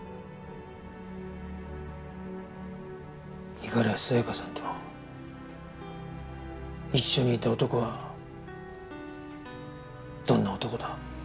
五十嵐さやかさんと一緒にいた男はどんな男だ？